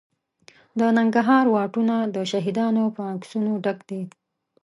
د ننګرهار واټونه د شهیدانو په عکسونو ډک دي.